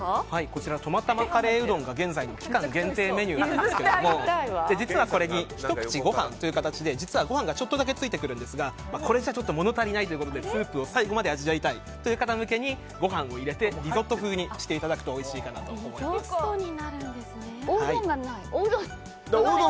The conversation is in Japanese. こちらトマたまカレーうどんが期間限定のメニューですが実はこれにひと口ご飯という形で実はご飯がちょっとだけついてくるんですがこれじゃちょっと物足りないということでスープを最後まで味わいたい方向けにご飯を入れてリゾット風にしていただくとおうどんがないんだ？